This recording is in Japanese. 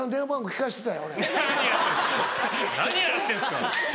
何やらせてんですか！